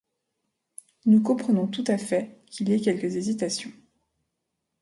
Nous comprenons tout à fait qu’il y ait quelques hésitations.